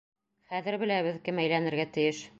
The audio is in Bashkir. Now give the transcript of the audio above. Хәҙер беләбеҙ: кем әйләнергә тейеш.